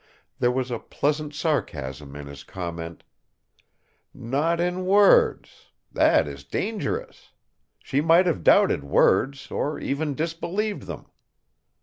There was a pleasant sarcasm in his comment: "Not in words! That is dangerous! She might have doubted words, or even disbelieved them."